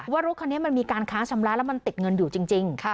ว่ารถคันนี้มันมีการค้าชำระแล้วมันติดเงินอยู่จริง